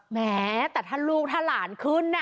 แม้แต่ถ้าลูกถ้าหลานขึ้น